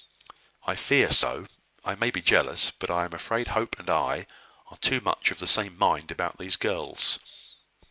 I fear so, I may be jealous, but I am afraid Hope and I are too much of the same mind about these girls.